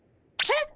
えっ？